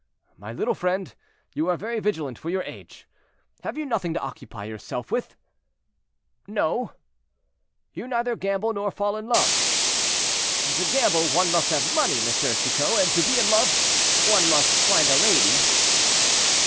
"My little friend, you are very vigilant for your age. Have you nothing to occupy yourself with?" "No." "You neither gamble nor fall in love." "To gamble one must have money, M. Chicot, and to be in love, one must find a lady."